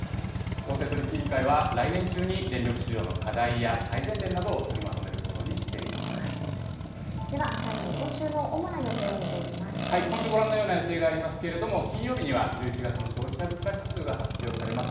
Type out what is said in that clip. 公正取引委員会は、来年中に電力市場の課題や改善点などを取りまでは最後に今週の主な予定を今週、ご覧のような予定がありますけれども、金曜日には１１月の消費者物価指数が発表されます。